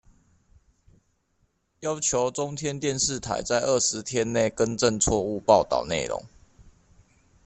要求中天電視台在二十天內更正錯誤報導內容